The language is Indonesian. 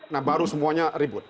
nah baru semuanya ribut